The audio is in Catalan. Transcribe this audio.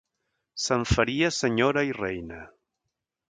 ...se'n faria senyora i reina.